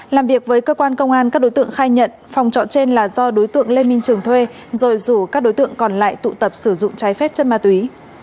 làm việc với cơ quan công an các đối tượng khai nhận phòng trọ trên là do đối tượng lê minh trường thuê rồi rủ các đối tượng còn lại tụ tập sử dụng trái phép chân ma túy